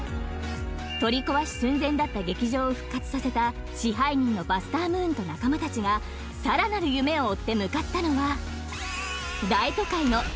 ［取り壊し寸前だった劇場を復活させた支配人のバスター・ムーンと仲間たちがさらなる夢を追って向かったのは］